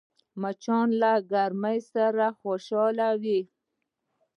مچان له ګرمۍ سره خوشحال وي